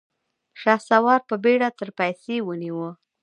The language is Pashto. شهسوار په بېړه تر پايڅې ونيو.